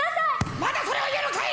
まだそれを言うのかい。